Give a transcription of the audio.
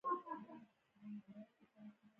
ځنګنونه یې پر تيږو ولګېدل.